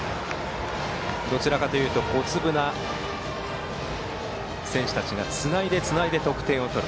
どちらかというと小粒な選手たちがつないで、つないで得点を取る。